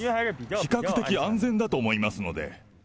比較的安全だと思いますので。